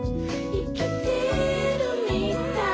「いきてるみたい」